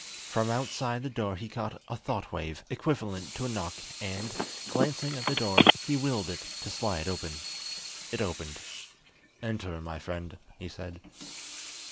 From outside the door he caught a thought wave equivalent to a knock, and, glancing at the door, he willed it to slide open. It opened. "Enter, my friend," he said.